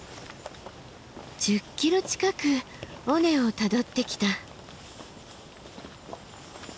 １０ｋｍ近く尾根をたどってきた。